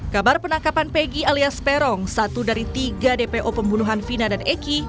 kabar penangkapan pegi alias peron satu dari tiga dpo pembunuhan vina dan eki